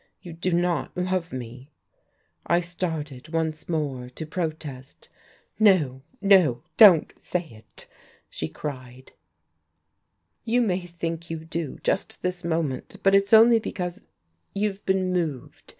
You do not love me " I started once more to protest. "No, no, don't say it!" she cried. "You may think you do, just this moment, but it's only because you've been moved.